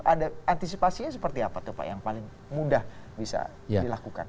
ada antisipasinya seperti apa tuh pak yang paling mudah bisa dilakukan